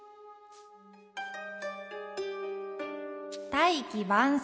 「大器晩成」。